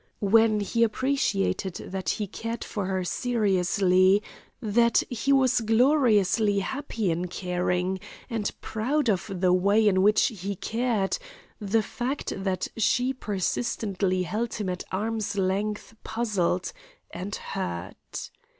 When he appreciated that he cared for her seriously, that he was gloriously happy in caring, and proud of the way in which he cared, the fact that she persistently held him at arm's length puzzled and hurt.